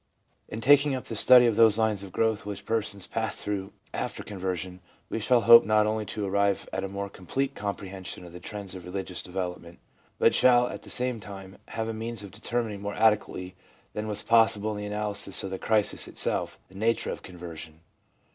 In taking up the study of those lines of growth which persons pass through after conversion, we shall hope not only to arrive at a more complete compre hension of the trends of religious development, but shall, at the same time, have a means of determining more adequately than was possible in the analysis of the crisis itself, the nature of conversion.